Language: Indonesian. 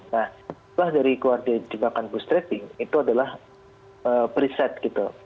nah keluar dari jembatan bootstrapping itu adalah preset gitu